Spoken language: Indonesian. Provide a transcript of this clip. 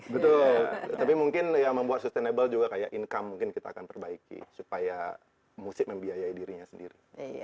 betul tapi mungkin ya membuat sustainable juga kayak income mungkin kita akan perbaiki supaya musik membiayai dirinya sendiri